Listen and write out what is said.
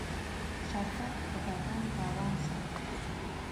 شربت د بدن روان ساتي